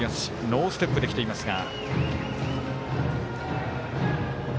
ノーステップできていますが。